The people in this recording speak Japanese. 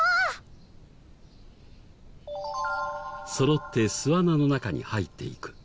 そろって巣穴の中に入っていく。